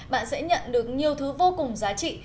bạn sẽ nhận được nhiều thứ vô cùng giá trị